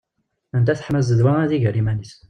Anda teḥma zzedwa ad iger iman-is.